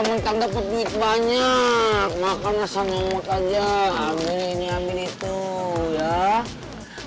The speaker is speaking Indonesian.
kamu minta dapat duit banyak makan asal nyamuk aja ambil ini ambil itu ya